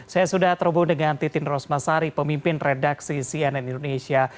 saya sudah terhubung dengan titin rosmasari pemimpin redaksi cnn indonesia